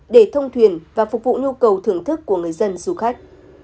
để thông thuyền và phục vụ nhu cầu thưởng thức của người dân du khách